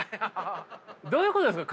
どういうことですか？